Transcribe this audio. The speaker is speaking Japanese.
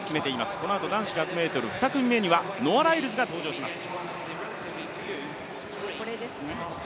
このあと男子１００ｍの２組目にはノア・ライルズが登場します。